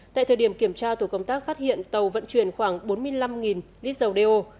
tại thời điểm kiểm tra tổ công tác phát hiện tàu vận chuyển khoảng bốn mươi năm lít dầu đeo